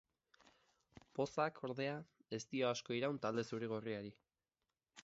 Pozak, ordea, ez dio asko iraun talde zuri-gorriari.